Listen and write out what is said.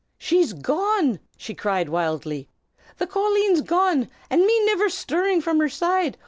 "She's gone!" she cried wildly. "The colleen's gone, an' me niver shtirrin' from her side!